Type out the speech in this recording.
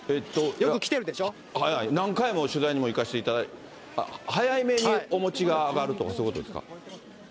はいはい、何回も取材に行かせていただいて、早めにお餅があがるとか、そういうことですか。